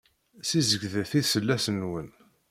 Sizedget iselas-nwen.